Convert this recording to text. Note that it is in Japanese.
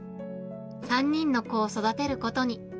３人の子を育てることに。